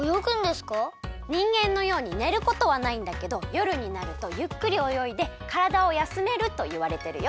にんげんのようにねることはないんだけどよるになるとゆっくりおよいでからだをやすめるといわれてるよ。